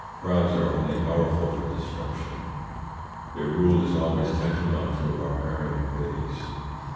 Crowds are only powerful for destruction. Their rule is always tantamount to a barbarian phase.